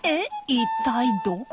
一体どこ？